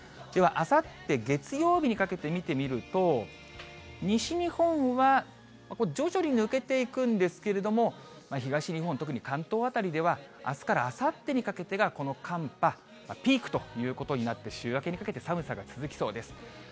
ではあさって月曜日にかけて見てみると、西日本は徐々に抜けていくんですけれども、東日本、特に関東辺りでは、あすからあさってにかけてがこの寒波、ピークということになって、週明けにかけて寒さが続きそうです。